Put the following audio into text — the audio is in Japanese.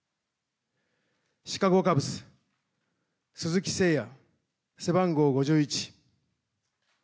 シカゴ・カブス鈴木誠也、背番号５１。